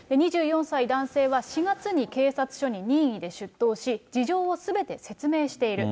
２４歳男性は４月に警察署に任意で出頭し、事情をすべて説明している。